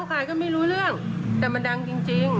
ใครก็ไม่รู้เรื่องแต่มันดังจริง